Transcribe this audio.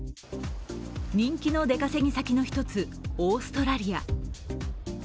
人気の出稼ぎ先の一つ、オーストラリア。